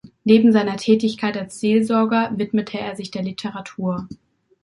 Neben seiner Tätigkeit als Seelsorger widmete er sich der Literatur.